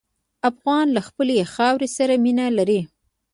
افغان له خپلې خاورې سره مینه لري.